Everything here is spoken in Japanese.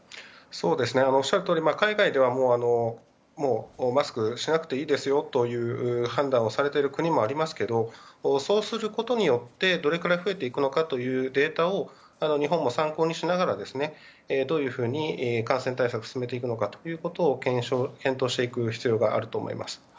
おっしゃるとおり海外ではマスクはしなくていいですよという判断をされている国もありますがそうすることによってどれくらい増えていくのかというデータを日本も参考にしながらどういうふうに感染対策を進めていくのかを検討していく必要があると思います。